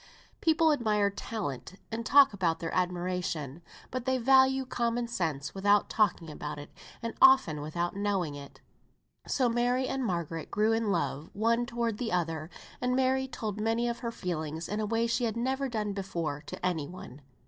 People admire talent, and talk about their admiration. But they value common sense without talking about it, and often without knowing it. So Mary and Margaret grew in love one toward the other; and Mary told many of her feelings in a way she had never done before to any one.